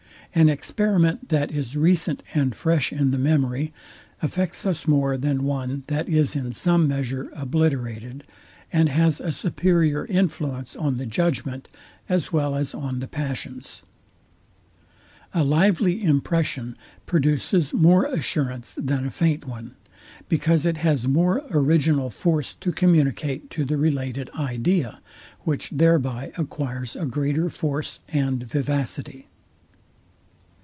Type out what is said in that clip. An experiment, that is recent and fresh in the memory, affects us more than one that is in some measure obliterated; and has a superior influence on the judgment, as well as on the passions. A lively impression produces more assurance than a faint one; because it has more original force to communicate to the related idea, which thereby acquires a greater force and vivacity.